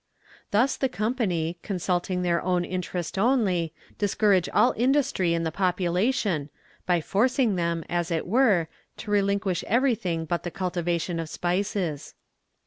"Thus the company, consulting their own interest only, discourage all industry in the population, by forcing them, as it were, to relinquish everything but the cultivation of spices.